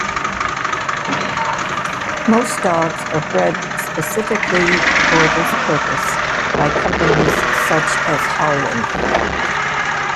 Most dogs are bred specifically for this purpose, by companies such as Harlan.